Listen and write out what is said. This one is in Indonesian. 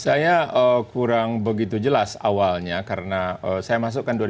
saya kurang begitu jelas awalnya karena saya masukkan dua ribu sembilan belas